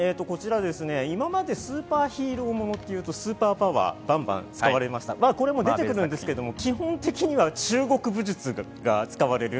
今までスーパーヒーローものというとスーパーパワーをバンバン使われましたが、基本的には中国武術が使われます。